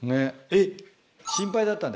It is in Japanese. えっ。